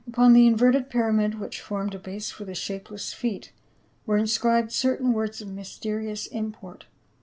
Upon the inverted pyramid which formed a base for the shapeless feet were inscribed certain words of mysterious import.